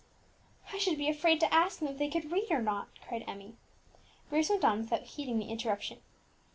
"I should be afraid to ask them if they could read or not," cried Emmie. Bruce went on without heeding the interruption.